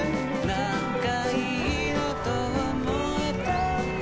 なんかいいなと思えたんだ